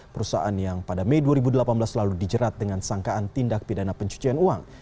perusahaan yang pada mei dua ribu delapan belas lalu dijerat dengan sangkaan tindak pidana pencucian uang